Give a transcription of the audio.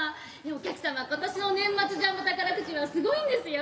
お客様今年の年末ジャンボ宝くじはすごいんですよ。